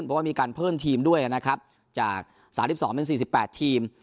เพราะว่ามีการเพิ่มทีมด้วยนะครับจากสามสิบสองเป็นสี่สิบแปดทีม